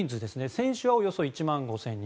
選手はおよそ１万５０００人。